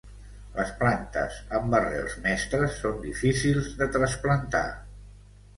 Les plantes amb arrels mestres són difícils de trasplantar.